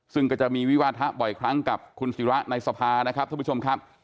ซึ่งก็จะมีวิวาทะบ่อยครั้งกับคุณศิระในสภานะครับท่านผู้ชมครับ